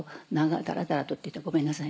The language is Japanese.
「ダラダラと」って言ってごめんなさい